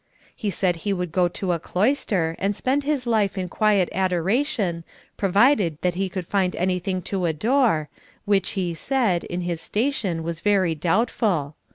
He said he would go into a cloister and spend his life in quiet adoration, provided that he could find anything to adore, which, he said, in his station was very doubtful.